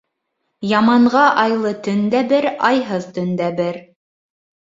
Яманға айлы төн дә бер, айһыҙ төн дә бер.